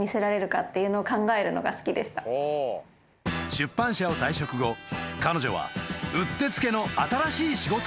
［出版社を退職後彼女はうってつけの新しい仕事を得た］